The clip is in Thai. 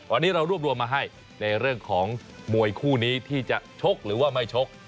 วันนี้เรารวบรวมมาให้ในเรื่องของมวยคู่นี้ที่จะชกหรือว่าไม่ชก